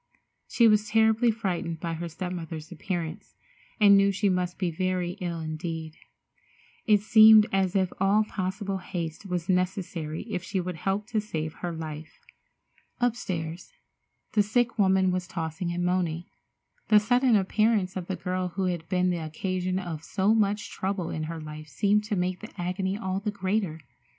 She was terribly frightened by her step mother's appearance, and knew she must be very ill indeed. It seemed as if all possible haste was necessary if she would help to save her life. Upstairs, the sick woman was tossing and moaning. The sudden appearance of the girl who had been the occasion of so much trouble in her life seemed to make the agony all the greater.